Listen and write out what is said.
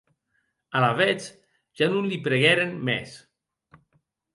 Alavetz ja non li preguèren mès.